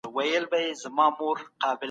ولي ځيني هیوادونه قانون نه مني؟